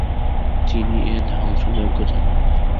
তিনি এ ধ্বংসযজ্ঞ চালান।